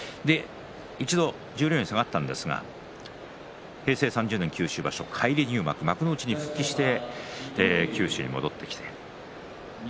一度十両に下がって平成３０年九州場所返り入幕幕内に復帰して九州に戻ってきました。